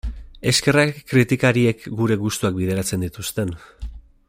Eskerrak kritikariek gure gustuak bideratzen dituzten...